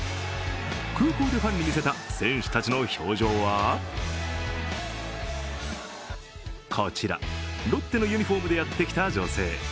空港でファンにみせた選手たちの表情はこちら、ロッテのユニフォームでやってきた女性。